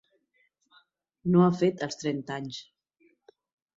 No ha fet els trenta anys.